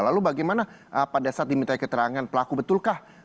lalu bagaimana pada saat dimintai keterangan pelaku betulkah